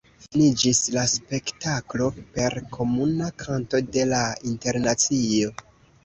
Finiĝis la spektaklo per komuna kanto de "la Internacio".